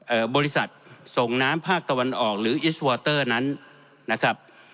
เอ่อบริษัทส่งน้ำภาคตะวันออกหรือนั้นนะครับ